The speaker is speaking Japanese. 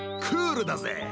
クールだぜ。